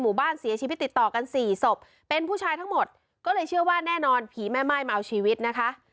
บ้านเสียชีวิตติดต่อกันสี่ศพเป็นผู้ชายทั้งหมดก็เลยเชื่อว่าแน่นอนผีแม่ม่ายมาเอาชีวิตนะคะ